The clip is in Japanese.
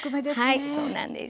はいそうなんです。